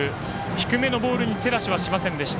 低めのボールに手出しはしませんでした。